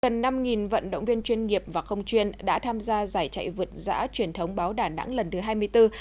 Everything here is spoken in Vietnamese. gần năm vận động viên chuyên nghiệp và không chuyên đã tham gia giải chạy vượt giã truyền thống báo đà nẵng lần thứ hai mươi bốn